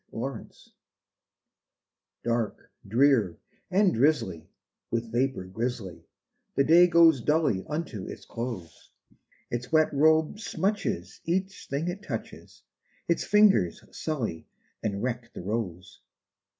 A WET DAY Dark, drear, and drizzly, with vapor grizzly, The day goes dully unto its close; Its wet robe smutches each thing it touches, Its fingers sully and wreck the rose.